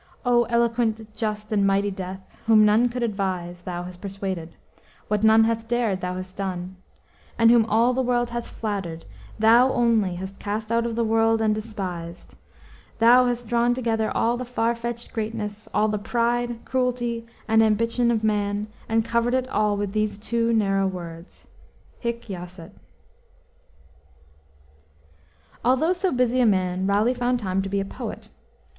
"O eloquent, just: and mighty Death! Whom none could advise, thou has persuaded; what none hath dared, thou hast done; and whom all the world hath flattered, thou only hast cast out of the world and despised; thou hast drawn together all the far fetched greatness, all the pride, cruelty, and ambition of man, and covered it all over with these two narrow words, hic jacet." Although so busy a man, Raleigh found time to be a poet.